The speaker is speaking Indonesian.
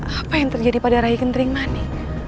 apa yang terjadi pada rai kenterimani